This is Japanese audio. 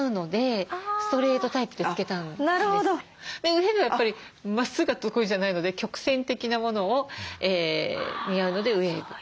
ウエーブはまっすぐが得意じゃないので曲線的なものを似合うのでウエーブ。